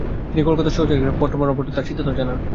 তিনি কলকাতার সহকারীকে পত্র মারফত তার সিদ্ধান্ত জানান।